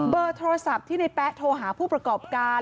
เบอร์โทรศัพท์ที่ในแป๊ะโทรหาผู้ประกอบการ